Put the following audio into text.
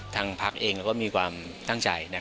ทางพักเองเราก็มีความตั้งใจ